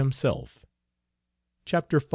CHAPTER V.